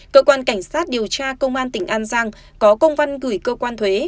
cơ quan cảnh sát điều tra công an tỉnh an giang có công văn gửi cơ quan thuế